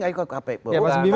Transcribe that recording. ya pak sembimang bisa memberikan